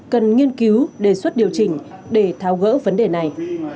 cần nghiên cứu đề xuất điều chỉnh để tháo gỡ vấn đề này